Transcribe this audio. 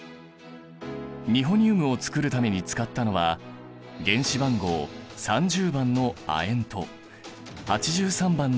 ニホニウムを作るために使ったのは原子番号３０番の亜鉛と８３番のビスマス。